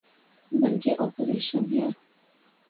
بلکہ اپوزیشن ہے۔